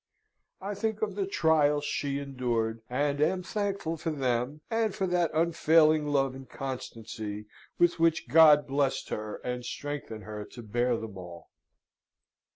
I think of the trials she endured, and am thankful for them and for that unfailing love and constancy with which God blessed her and strengthened her to bear them all.